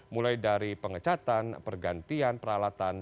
mulai dari pengecatan pergantian peralatan